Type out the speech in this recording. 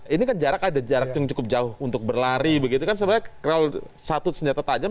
ini kan jarak ada jarak yang cukup jauh untuk berlari begitu kan sebenarnya kalau satu senjata tajam